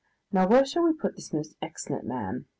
Now where shall we put this most excellent man?